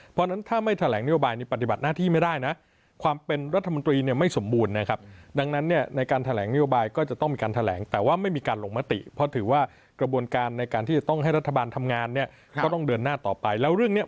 เพราะฉะนั้นถ้าไม่แถลงนโยบายนี่ปฏิบัติหน้าที่ไม่ได้นะ